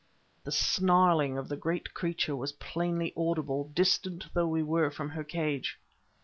The snarling of the great creature was plainly audible, distant though we were from her cage.